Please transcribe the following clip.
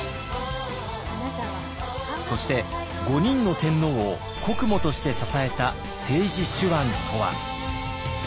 そして５人の天皇を国母として支えた政治手腕とは？